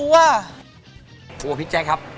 พวกพิจัยครับ